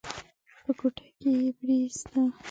په کوټه کې يې پريېسته.